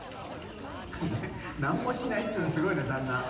何もしないっていうのもすごいな旦那。